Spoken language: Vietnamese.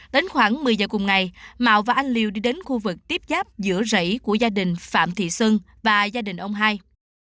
đến khoảng một mươi giờ cùng ngày mạo và anh liêu đi đến khu vực tiếp giáp giữa rẫy của gia đình phạm thị xuân và gia đình ông hai